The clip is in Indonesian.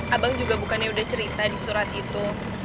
abang juga bukannya udah cerita di surat itu